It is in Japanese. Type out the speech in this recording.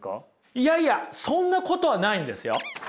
いやいやそんなことはないんですよ。